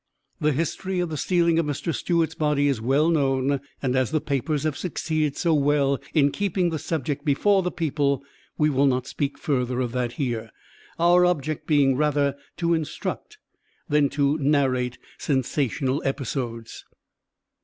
The history of the stealing of Mr. Stewart's body is well known, and as the papers have succeeded so well in keeping the subject before the people, we will not speak further of that here, our object being rather to instruct than to narrate sensational episodes.